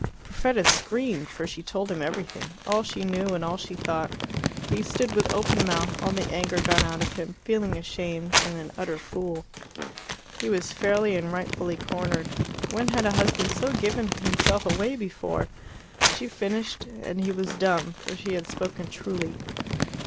Perfetta screamed for she told him everything all she knew and all she thought. He stood with open mouth, all the anger gone out of him, feeling ashamed, and an utter fool. He was fairly and rightfully cornered. When had a husband so given himself away before? She finished; and he was dumb, for she had spoken truly.